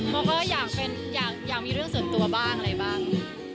เขาก็อยากมีเรื่องส่วนตัวบ้างอะไรบ้าง